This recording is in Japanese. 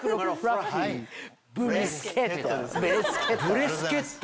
ブレスケット！